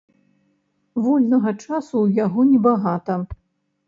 Вольнага часу ў яго небагата.